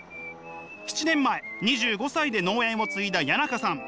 ７年前２５歳で農園を継いだ谷中さん。